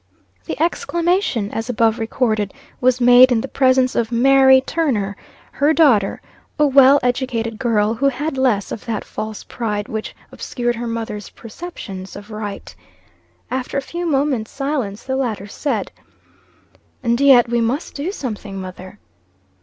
The exclamation as above recorded, was made in the presence of Mary Turner, her daughter, a well educated girl, who had less of that false pride which obscured her mother's perceptions of right. After a few moments' silence the latter said "And yet we must do something, mother."